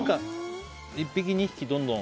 １匹、２匹、どんどん。